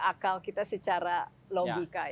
akal kita secara logika